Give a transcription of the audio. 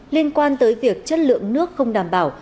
liên quan tới việc chất lượng nước không đảm bảo